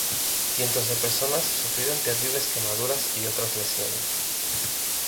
Cientos de personas sufrieron terribles quemaduras y otras lesiones.